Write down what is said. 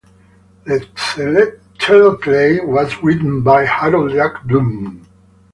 The teleplay was written by Harold Jack Bloom.